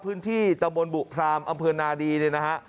พื้นที่ตะโปนบุพรามอำโพธิ์นาดีนะฮะ